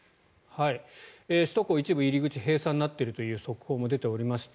首都高、一部入り口閉鎖になっているという速報も出ておりました。